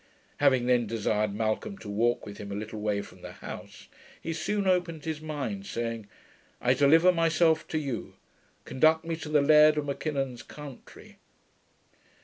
Having then desired Malcolm to walk with him a little way from the house, he soon opened his mind, saying, 'I deliver myself to you. Conduct me to the Laird of M'Kinnon's country.'